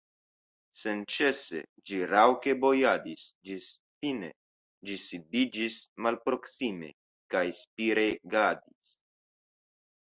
Senĉese ĝi raŭke bojadis, ĝis fine ĝi sidiĝis malproksime, kaj spiregadis.